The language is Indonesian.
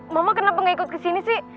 mama kenapa gak ikut kesini sih